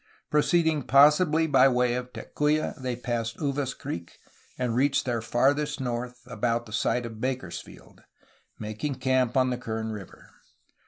Proceeding possibly by way of Tecuya they passed Uvas Creek, and reached their farthest north about at the site of Bakersfield, making camp on the Kern River.